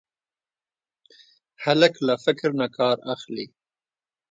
هلک له فکر نه کار اخلي.